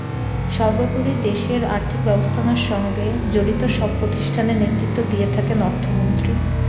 সর্বোপরি দেশের আর্থিক ব্যবস্থাপনার সঙ্গে জড়িত সব প্রতিষ্ঠানের নেতৃত্ব দিয়ে থাকেন অর্থমন্ত্রী।